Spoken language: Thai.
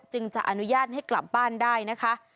จะอนุญาตให้กลับบ้านได้นะคะ